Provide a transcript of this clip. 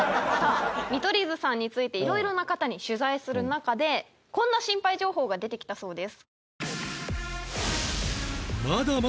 見取り図さんについていろいろな方に取材する中でこんなシンパイ情報が出てきたそうです。